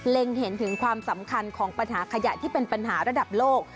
เห็นถึงความสำคัญของปัญหาขยะที่เป็นปัญหาระดับโลก